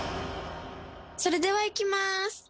それではいきまーす。